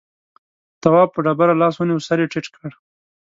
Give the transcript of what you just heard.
تواب په ډبره لاس ونيو سر يې ټيټ کړ.